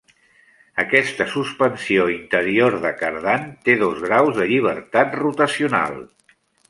Aquesta suspensió interior de Cardan té dos graus de llibertat rotacional.